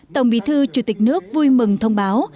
tổng bí thư chủ tịch nước vui mừng thông báo